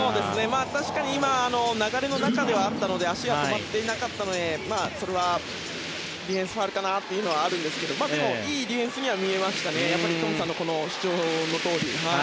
確かに今のは流れの中だったので足は止まっていなかったんですがそれはディフェンスファウルかなというのはあるんですがでも、いいディフェンスには見えましたね。